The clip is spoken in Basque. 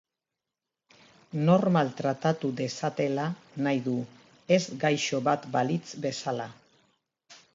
Normal tratatu dezatela nahi du, ez gaixo bat balitz bezala.